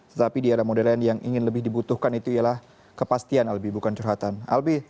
tetapi di era modern yang ingin lebih dibutuhkan itu ialah kepastian albi bukan curhatan albi